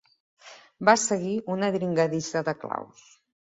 Va seguir una dringadissa de claus.